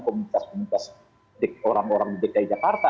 komunitas komunitas orang orang di dki jakarta